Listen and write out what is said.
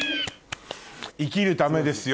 生きるためですよ